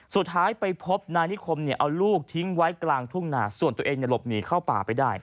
สุดท้ายไปพบนายนิคมเนี่ยเอาลูกทิ้งไว้กลางทุ่งนาส่วนตัวเองหลบหนีเข้าป่าไปได้